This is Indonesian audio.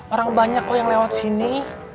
orang banyak kok yang lewat sini